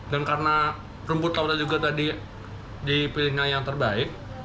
dan karena rumput lautnya juga tadi dipilihnya yang terbaik